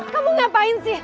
kamu ngapain sih